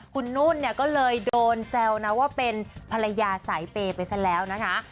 คุณนุ่นเนี่ยก็เลยโดนแซวนะว่าเป็นภรรยาสายเปย์ไปซะแล้วนะคะ